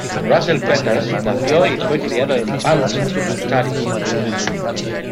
Russell Peters nació y fue criado en Brampton, Ontario.